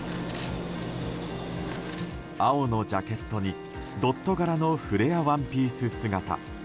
青のジャケットにドット柄のフレアワンピース姿。